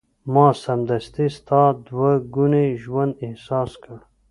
ما سمدستي ستا دوه ګونی ژوند احساس کړ.